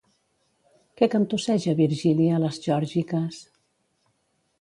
Què cantusseja Virgili a Les Geòrgiques?